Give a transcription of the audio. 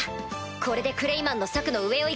これでクレイマンの策の上を行く。